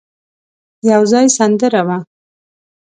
يو ځای سندره وه.